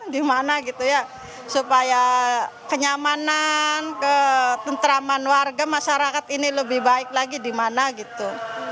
gimana gitu ya supaya kenyamanan ketentraman warga masyarakat ini lebih baik lagi di mana gitu